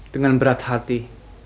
dengan berat hati